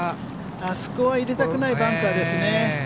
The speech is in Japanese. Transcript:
あそこは入れたくないバンカーですね。